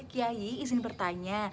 kiai izin bertanya